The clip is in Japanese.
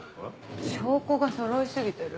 証拠がそろいすぎてる？